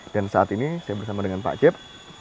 dan saat ini saya bersama dengan pak cip